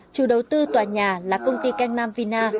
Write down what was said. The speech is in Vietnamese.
chủ đầu tư tòa nhà là công ty ken nam vina